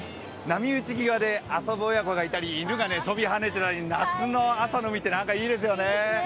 波打ち際で遊ぶ親子がいたり、犬が跳びはねたり夏の海っていいですよね。